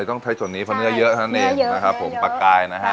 อ๋อเลยต้องใช้ส่วนนี้เพราะเนื้อเยอะฮะเนี่ยเนื้อเยอะนะครับผมปลากายนะฮะ